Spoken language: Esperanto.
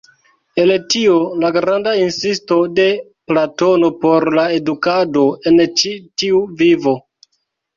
El tio la granda insisto de Platono por la edukado en ĉi tiu vivo.